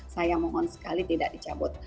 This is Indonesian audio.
saya mohon sekali tidak dicabut